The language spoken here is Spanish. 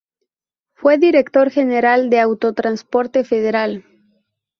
Fue Director General de Autotransporte Federal.